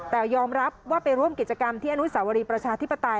แต่ยอมรับว่าไปร่วมกิจกรรมที่อนุสาวรีประชาธิปไตย